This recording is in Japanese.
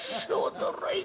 驚いた。